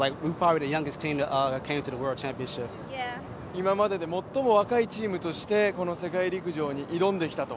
今までで最も若いチームとしてこの世界陸上に挑んできたと。